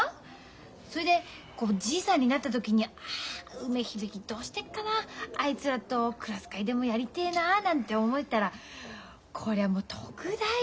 それでじいさんになった時に「あ梅響どうしてっかなあいつらとクラス会でもやりてえなあ」なんて思えたらこりゃもう得だよ。